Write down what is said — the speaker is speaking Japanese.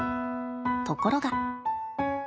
ところが。